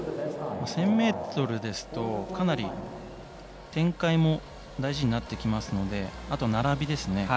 １０００ｍですとかなり展開も大事になってきますのであと並びですね。